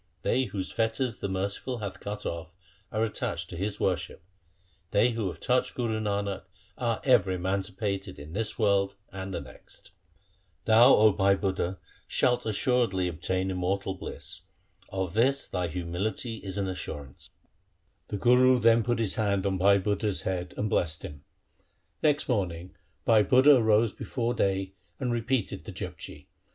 They whose fetters the Merciful hath cut off, are attached to His worship. They who have touched Guru Nanak are ever emanci pated in this world and the next. 1 ' Thou, O Bhai Budha, shalt assuredly obtain immortal bliss. Of this thy humility is an assurance.' 1 Guru Arjan's Sawaiyas. LIFE OF GURU HAR GOBIND 127 The Guru then put his hand on Bhai Budha's head and blessed him. Next morning Bhai Budha arose before day and repeated the Japji.